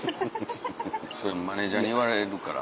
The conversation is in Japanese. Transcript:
それマネジャーに言われるから。